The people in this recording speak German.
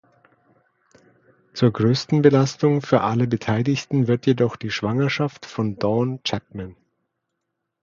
Zur größten Belastung für alle Beteiligten wird jedoch die Schwangerschaft von Dawn Chapman.